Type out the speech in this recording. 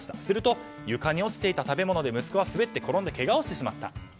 すると床に落ちていた食べ物で、息子は滑って転んでけがをしてしまった。